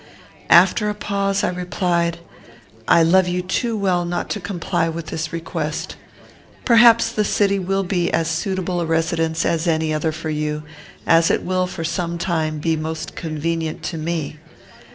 After a pause, I replied, "I love you too well not to comply with this request. Perhaps the city will be as suitable a residence as any other for you, as it will, for some time, be most convenient to me.